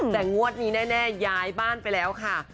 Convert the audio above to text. แต่งวดนี้แน่ย้ายบ้านไปแล้วค่ะ